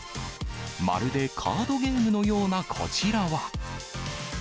まるでカードゲームのようなこちらは。